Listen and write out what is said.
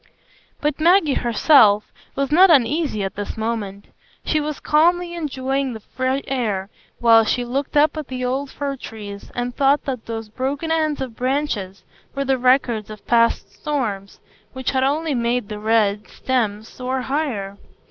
But Maggie herself was not uneasy at this moment. She was calmly enjoying the free air, while she looked up at the old fir trees, and thought that those broken ends of branches were the records of past storms, which had only made the red stems soar higher.